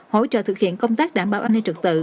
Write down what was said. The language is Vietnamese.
hỗ trợ thực hiện công tác đảm bảo an ninh trực tự